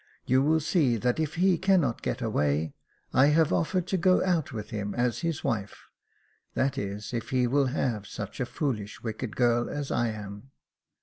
You will see that if he cannot get away, I have offered to go out with him as his wife, that is, if he will have such a foolish, wicked girl as I am."